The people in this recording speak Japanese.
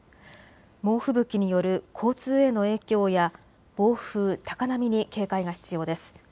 猛吹雪による交通への影響や暴風、高波に警戒が必要です。